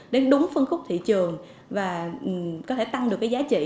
đến đúng phân khúc thị trường và có thể tăng được cái giá trị